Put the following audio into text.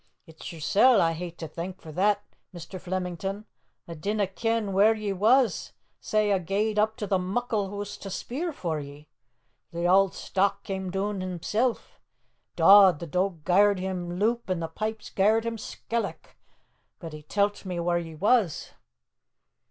It's yersel' I hae to thank for that, Mr. Flemington. A didna ken whaur ye was, sae a gae'd up to the muckle hoose to speer for ye. The auld stock came doon himsel'. Dod! the doag gar'd him loup an' the pipes gar'd him skelloch. But he tell't me whaur ye was."